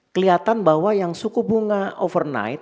kelihatan bahwa yang suku bunga overnight